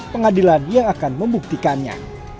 pengadilan yang akan membuktikannya